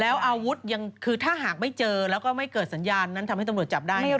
แล้วอาวุธยังคือถ้าหากไม่เจอแล้วก็ไม่เกิดสัญญาณนั้นทำให้ตำรวจจับได้